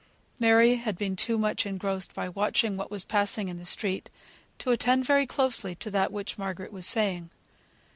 Mary had been too much engrossed by watching what was passing in the street to attend very closely to that which Margaret was saying.